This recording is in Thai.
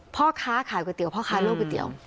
พ่อค้าขายก๋วยเตี๋พ่อค้าโลกก๋วยเตี๋ยว